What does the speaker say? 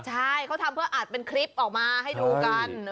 ใช่เขาทำเพื่ออัดเป็นคลิปออกมาให้ดูกัน